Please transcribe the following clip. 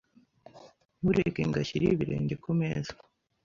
Ntureke ngo ashyire ibirenge kumeza.